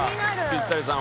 ピッタリさん